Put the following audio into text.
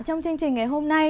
trong chương trình ngày hôm nay